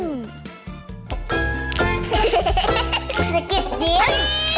สกิดยิ้ม